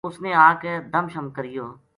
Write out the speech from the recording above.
اس نے آ کے دم شم کریو